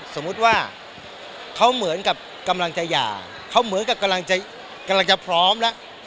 สมมุติว่าเขาเหมือนกับกำลังจะหย่าเขาเหมือนกับกำลังจะพร้อมแล้ว